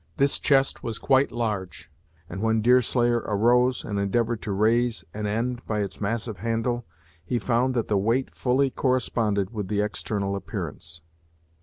This chest was quite large; and when Deerslayer arose, and endeavored to raise an end by its massive handle, he found that the weight fully corresponded with the external appearance.